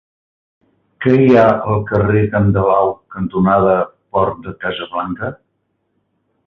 Què hi ha al carrer Calendau cantonada Port de Casablanca?